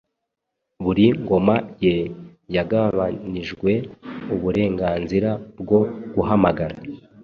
Buri ngoma ye yagabanijwe, uburenganzira bwo guhamagara,